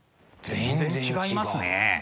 全然違いますね。